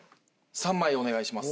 ３枚お願いします。